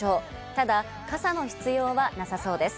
ただ、傘の必要はなさそうです。